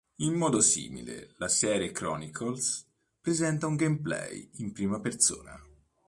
In modo simile, la serie Chronicles presenta un gameplay in prima persona.